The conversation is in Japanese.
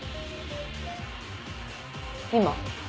今？